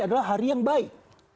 adalah hari yang baik